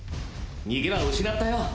逃げ場を失ったよ？